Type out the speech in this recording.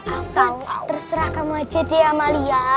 akan terserah kamu aja deh amalia